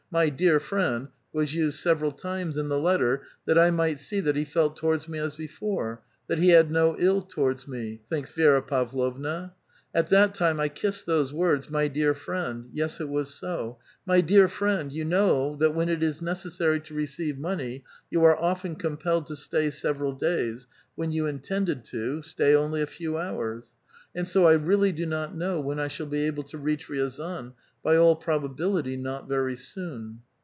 '^ My dear friend was used several times in the letter that I might see that he felt towards me as before ; that he had no ill towards me," thinks Vi^ra Pavlovna. " At that time I kissed those words my dear friend; yes, it was so: 'My dear friend, you know that, when it is necessary to receive money, you are often compelled to stay several days, when you intended to stay only a few hours ; and so I really do not know when 1 shall be able to reach Riazan ; by all probability, not very soon.'